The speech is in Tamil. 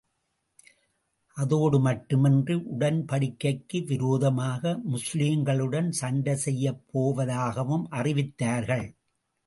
அதோடு மட்டுமன்றி, உடன்படிக்கைக்கு விரோதமாக முஸ்லிம்களுடன் சண்டை செய்யப் போவதாகவும் அறிவித்தார்கள்.